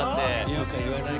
言うか言わないかね。